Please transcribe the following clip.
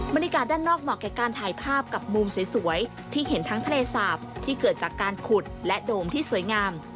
บรรยากาศด้านนอกเหมาะแก่การถ่ายภาพกับมุมสวยที่เห็นทั้งทะเลสาปที่เกิดจากการขุดและโดมที่สวยงาม